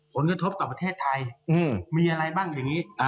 ผลกระทบกับประเทศไทยมีอะไรบ้างอย่างนี้